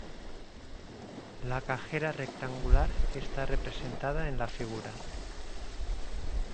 La cajera rectangular está representada en la figura.